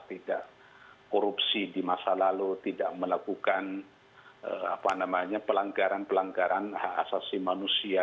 tidak korupsi di masa lalu tidak melakukan pelanggaran pelanggaran hak asasi manusia